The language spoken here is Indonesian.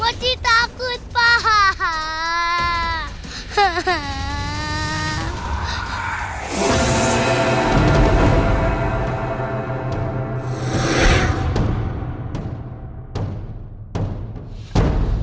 wajib takut pak